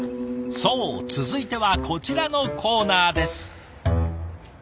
そう続いてはこちらのコーナーです。